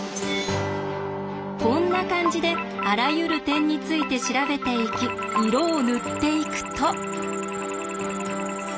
こんな感じであらゆる点について調べていき色を塗っていくと。